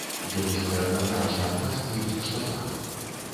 Юрысты адназначна адказваюць, што так.